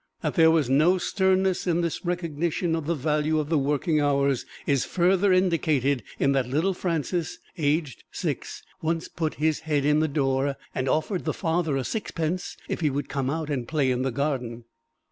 That there was no sternness in this recognition of the value of the working hours is further indicated in that little Francis, aged six, once put his head in the door and offered the father a sixpence if he would come out and play in the garden.